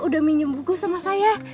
udah minjem buku sama saya